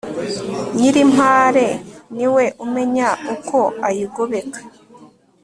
nyiri impare niwe umenya uko ayigobeka